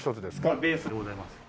ベースでございます。